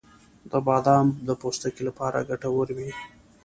• بادام د پوستکي لپاره ګټور وي.